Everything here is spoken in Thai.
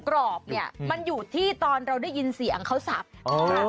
บอกว่าขอวันละ๑๐กิโลกรัมพอขึ้นเป็น๑๐๐กิโลกรัม